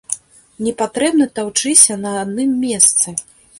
Не патрэбна таўчыся на адным месцы.